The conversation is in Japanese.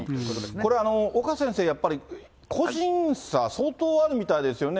これ、岡先生、やっぱり個人差、相当あるみたいですよね。